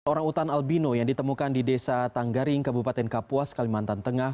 orang utan albino yang ditemukan di desa tanggaring kabupaten kapuas kalimantan tengah